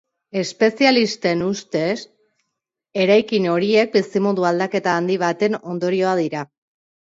Espezialisten ustez eraikin horiek bizimodu aldaketa handi baten ondorioa dira.